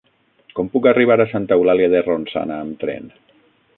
Com puc arribar a Santa Eulàlia de Ronçana amb tren?